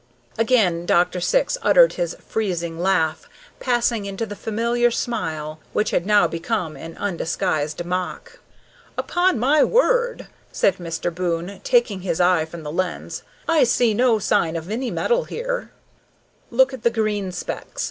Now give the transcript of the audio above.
Again Dr. Syx uttered his freezing laugh, passing into the familiar smile, which had now become an undisguised mock. "Upon my word," said Mr. Boon, taking his eye from the lens, "I see no sign of any metal here!" "Look at the green specks!"